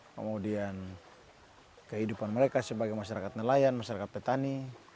kemudian kehidupan mereka sebagai masyarakat nelayan masyarakat petani